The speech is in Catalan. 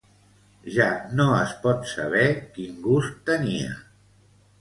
Ja no es pot saber quin gust tenia